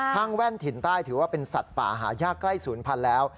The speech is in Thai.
ห้างแว่นถิ่นใต้ถือว่าเป็นสัตว์ป่าหายากใกล้ศูนย์พันธุ์แล้ว